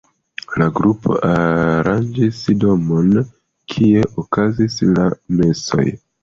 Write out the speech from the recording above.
La grupo aranĝis domon, kie okazis la mesoj.